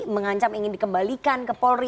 mengancam ingin dikembalikan ke polri